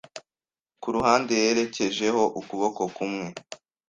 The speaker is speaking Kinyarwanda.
Kuruhande yerekejeho ukuboko kumwe